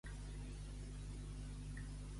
Sant Jaume de Frontanyà, l'orinal del cel.